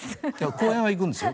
公園は行くんですよ。